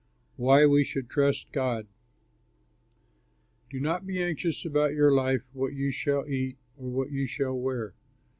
WHY WE SHOULD TRUST GOD "Do not be anxious about your life, what you shall eat, or what you shall wear.